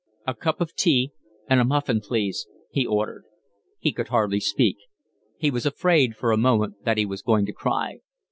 "A cup of tea and a muffin, please," he ordered. He could hardly speak. He was afraid for a moment that he was going to cry.